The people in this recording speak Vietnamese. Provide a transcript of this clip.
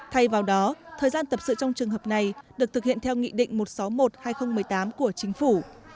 thay vào đó thời gian tập sự trong trường hợp này được thực hiện theo nghị định một trăm sáu mươi một hai nghìn một mươi tám của chính phủ